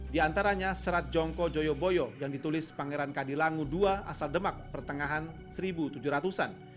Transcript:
di antaranya serat jongko joyoboyo yang ditulis pangeran kadilangu ii asal demak pertengahan seribu tujuh ratus an